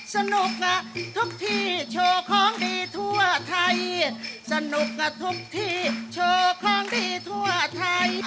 สนุกทุกที่โชว์ของดีทั่วไทย